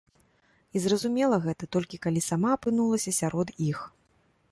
І зразумела гэта, толькі калі сама апынулася сярод іх.